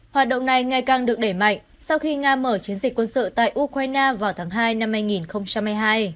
hoạt động này ngày càng được đẩy mạnh sau khi nga mở chiến dịch quân sự tại ukraine vào tháng hai năm hai nghìn hai mươi hai